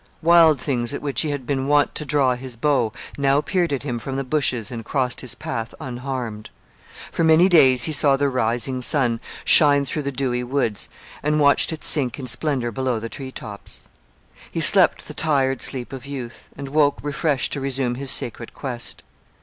Wild things at which he had been wont to draw his bow now peered at him from the bushes and crossed his path unharmed. For many days he saw the rising sun shine through the dewy woods and watched it sink in splendour below the tree tops. He slept the tired sleep of youth, and woke refreshed to resume his sacred quest.